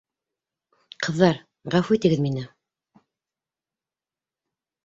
Ҡыҙҙар, ғәфү итегеҙ мине!